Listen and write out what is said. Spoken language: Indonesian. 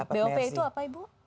bop itu apa ibu